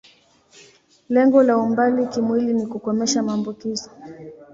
Lengo la umbali kimwili ni kukomesha maambukizo.